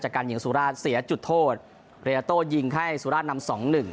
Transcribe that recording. จากการยิงสุราชเสียจุดโทษเรียโต้ยิงให้สุราชนำ๒๑